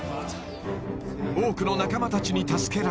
［多くの仲間たちに助けられ］